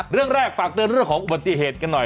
เรื่องแรกฝากเตือนเรื่องของอุบัติเหตุกันหน่อย